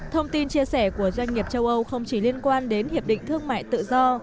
thông tin chia sẻ của doanh nghiệp châu âu không chỉ liên quan đến hiệp định thương mại tự do